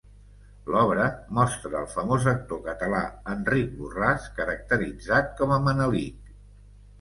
L'obra mostra el famós actor català Enric Borràs caracteritzat com a Manelic.